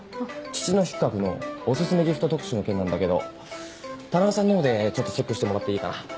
父の日企画のおすすめギフト特集の件なんだけど田中さんのほうでちょっとチェックしてもらっていいかな？